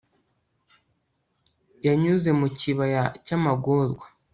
yanyuze mu kibaya cy'amagorwa